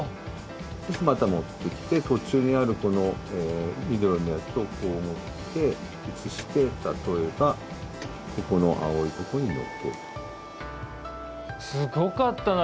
そしてまた持ってきて途中にあるこの緑のやつとこう持って移して例えばここの青いところに載っける。